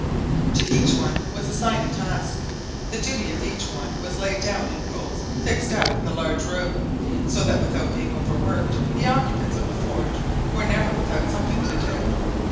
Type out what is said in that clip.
To each one was assigned a task, the duty of each one was laid down in rules fixed up in the large room, so that without being overworked, the occupants of the fort were never without something to do.